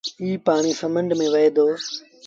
ايٚ پآڻي سمنڊ ميݩ وهي دو۔